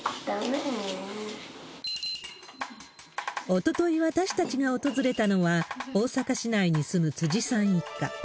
おととい私たちが訪れたのは、大阪市内に住む辻さん一家。